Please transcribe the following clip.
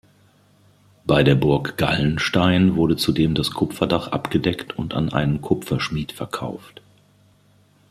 Bei der Burg Gallenstein wurde zudem das Kupferdach abgedeckt und an einen Kupferschmied verkauft.